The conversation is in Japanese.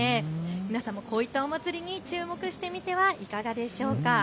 皆さんもこういったお祭りに注目してみてはいかがでしょうか。